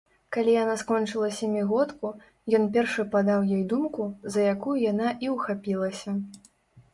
Калі яна скончыла сямігодку, ён першы падаў ёй думку, за якую яна і ўхапілася.